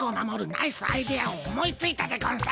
ナイスアイデアを思いついたでゴンス。